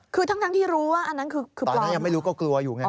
คือตั้งที่รู้ว่าอันนั้นคือจะปลอมหรือ